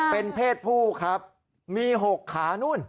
เป็นเพศผู้ครับมี๖ขานู่น